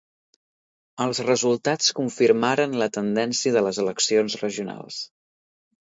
Els resultats confirmaren la tendència de les eleccions regionals.